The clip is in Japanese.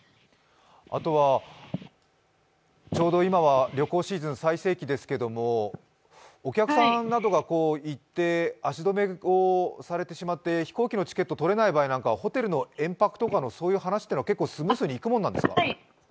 あとは、ちょうど今は旅行シーズン最盛期ですけれどもお客さんなどが行って足止めをされてしまって飛行機のチケット取れない場合とかはホテルの延泊とか、そういう話は結構、スムーズにいくもんなんですか？